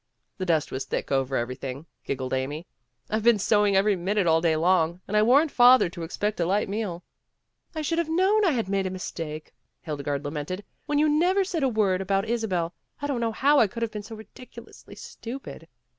"The dust was thick over everything," giggled Amy. "I've been sewing every minute all day long, and I warned father to expect a light meal. '' "I should have known I had made a mis take," Hildegarde lamented, "when you never said a word about Isabel. I don't know how I could have been so ridiculously stupid."